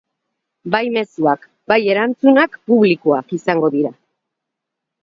Bai mezuak bai erantzunak publikoak izango dira.